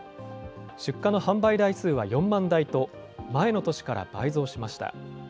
出荷の販売台数は４万台と、前の年から倍増しました。